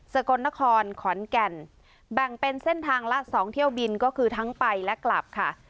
กลนครขอนแก่นแบ่งเป็นเส้นทางละ๒เที่ยวบินก็คือทั้งไปและกลับค่ะ